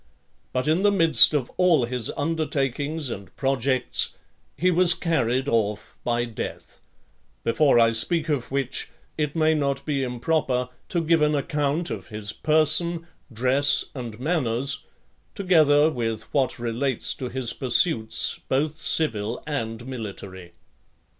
But in the midst of all his undertakings and projects, he was carried off by death; before I speak of which, it may not be improper to give an account of his person, dress, and manners; together with what relates to his pursuits, both civil and military.